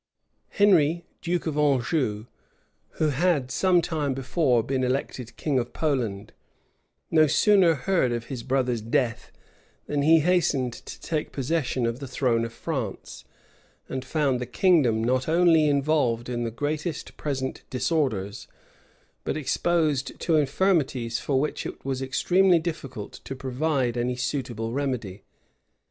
Henry, duke of Anjou, who had some time before been elected king of Poland, no sooner heard of his brother's death, than he hastened to take possession of the throne of France; and found the kingdom not only involved in the greatest present disorders, but exposed to infirmities for which it was extremely difficult to provide any suitable remedy.